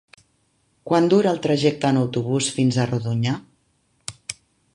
Quant dura el trajecte en autobús fins a Rodonyà?